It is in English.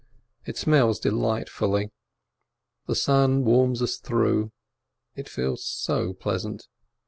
It smells delightfully, the sun warms us through, it feels so pleasant.